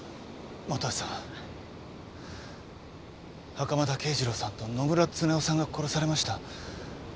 袴田啓二郎さんと野村恒雄さんが殺されました。